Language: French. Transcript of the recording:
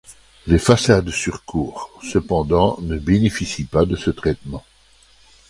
Les façades sur cour, cependant, ne bénéficient pas de ce traitement.